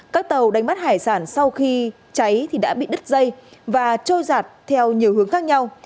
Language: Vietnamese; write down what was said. các tàu đánh bắt hải sản sau khi cháy thì đã bị đứt dây và trôi giạt theo nhiều hướng khác nhau